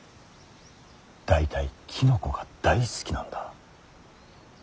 大体きのこが大好きなんだ。